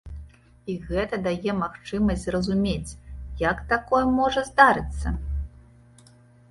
І гэта дае магчымасць зразумець, як такое можа здарыцца.